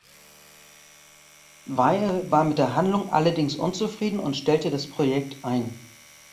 Weir war mit der Handlung allerdings unzufrieden und stellte das Projekt ein.